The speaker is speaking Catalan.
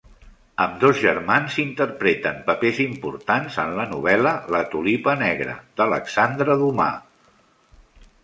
Ambdós germans interpreten papers importants en la novel·la "La Tulipa negra" d'Alexandre Dumas.